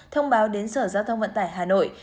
thông báo đến sở giao thông vận tải hà nội